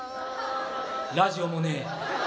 ラジオもねえ